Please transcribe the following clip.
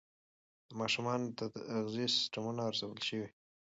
د ماشومانو د تغذیې سیستمونه ارزول شوي.